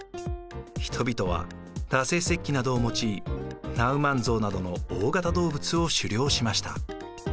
人々は打製石器などを用いナウマンゾウなどの大型動物を狩猟しました。